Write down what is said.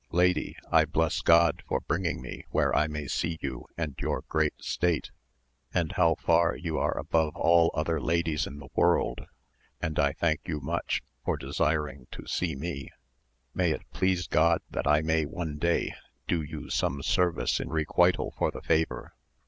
Lady, I bless God for bringing me where I may see you and your great state, and how far you are above all other ladies in the world, and I thank you much for desiring to see me ; may it please God that I may one day do you some service in requital for the favour